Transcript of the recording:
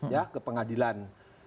ya ke pengadilan